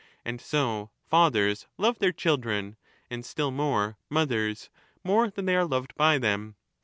And so fathers love their Jp ^ children — and still more mothers — more than they are ^^^^ loved by them.